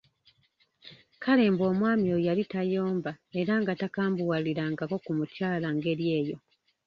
Kale mbu omwami oyo yali tayomba era nga takambuwalirangako ku mukyala ng'eri eyo!